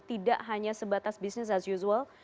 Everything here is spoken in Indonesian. tidak hanya sebatas bisnis as usual